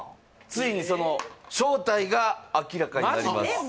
ついにその正体が明らかになります・マジ？